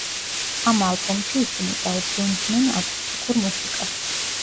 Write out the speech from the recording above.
ამ ალბომში ისინი დაუბრუნდნენ აკუსტიკურ მუსიკას.